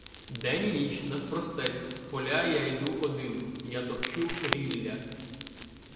День і ніч навпростець в поля Я іду один, я топчу рілля.